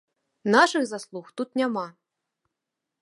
Нашых заслуг тут няма.